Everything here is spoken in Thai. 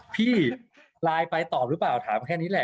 พี่ไลน์ไปตอบหรือเปล่าถามแค่นี้แหละ